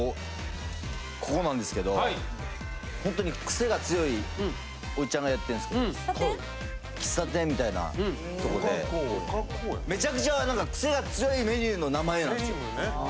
ここなんですけどほんとにクセが強いおじちゃんがやってんすけど喫茶店みたいなとこでめちゃくちゃクセが強いメニューの名前なんですよ。